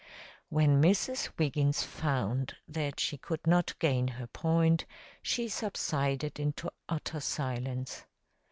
When Mrs. Wiggins found that she could not gain her point, she subsided into utter silence.